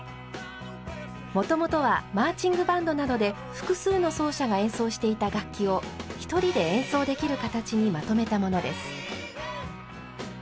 もともとはマーチングバンドなどで複数の奏者が演奏していた楽器を１人で演奏できる形にまとめたものです。